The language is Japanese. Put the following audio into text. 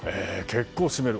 結構、占める。